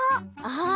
ああ。